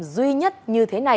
duy nhất như thế này